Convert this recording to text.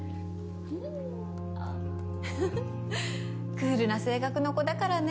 クールな性格の子だからね。